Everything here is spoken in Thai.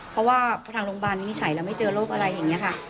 เพราะว่าทางโรงพยาบาลวินิจฉัยแล้วไม่เจอโรคอะไรอย่างนี้ค่ะ